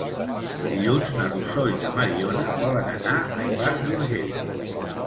Dilluns na Rosó i na Mariona volen anar a Ivars d'Urgell.